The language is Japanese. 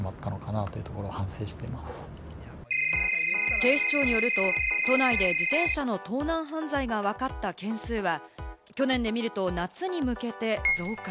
警視庁によると、都内で自転車の盗難犯罪がわかった件数は、去年で見ると夏に向けて増加。